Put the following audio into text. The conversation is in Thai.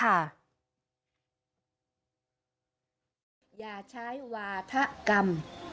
อย่าใช้วาธกรรม